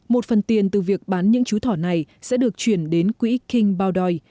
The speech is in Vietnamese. một phần tiền từ việc bán những chú thỏ này sẽ được chuyển đến quỹ king boundoy